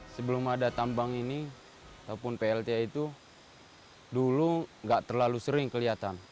sebelum ada tambang ini ataupun plta itu dulu nggak terlalu sering kelihatan